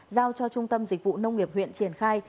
giao cho trung tâm dịch vụ nông nghiệp huyện triển khai